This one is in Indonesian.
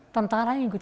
tentara yang ikut